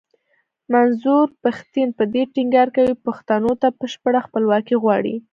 منظور پښتين په دې ټينګار کوي پښتنو ته بشپړه خپلواکي غواړي.